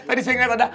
tadi saya ingat ada